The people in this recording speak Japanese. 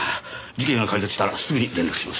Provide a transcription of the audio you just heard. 事件が解決したらすぐに連絡します。